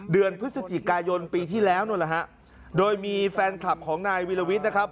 เดือนพฤศจิกายนปีที่แล้วนู่นแหละฮะโดยมีแฟนคลับของนายวิลวิทย์นะครับ